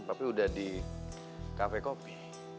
tapi udah di kafe kopi